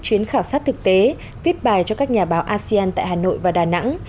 chuyến khảo sát thực tế viết bài cho các nhà báo asean tại hà nội và đà nẵng